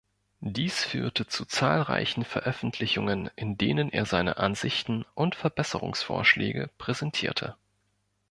Dies führte zu zahlreichen Veröffentlichungen, in denen er seine Ansichten und Verbesserungsvorschläge präsentierte.